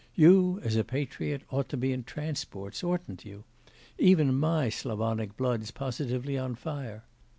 You, as a patriot, ought to be in transports, oughtn't you? Even my Slavonic blood's positively on fire!